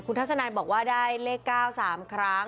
ทัศนายบอกว่าได้เลข๙๓ครั้ง